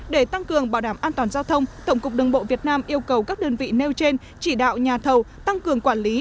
để tăng cường bảo đảm an toàn giao thông tổng cục đường bộ việt nam yêu cầu các đơn vị nêu trên chỉ đạo nhà thầu tăng cường quản lý